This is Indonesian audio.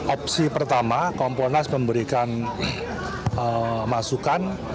opsi pertama kompolnas memberikan masukan